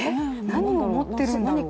何を持ってるんだろう？